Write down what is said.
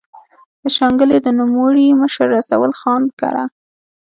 د شانګلې د نوموړي مشر رسول خان کره